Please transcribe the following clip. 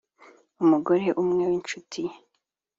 Umugore umwe w incuti ye